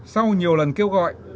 sau nhiều lần kêu gọi